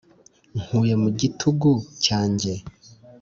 Nkuye mu gitugu cyanjye